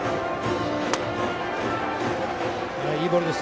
いいボールです。